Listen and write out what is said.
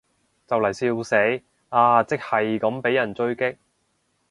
就嚟笑死，阿即係咁被人狙擊